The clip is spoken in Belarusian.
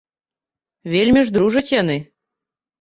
Вельмі ж дружаць яны.